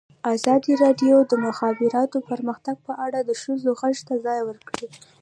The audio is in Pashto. ازادي راډیو د د مخابراتو پرمختګ په اړه د ښځو غږ ته ځای ورکړی.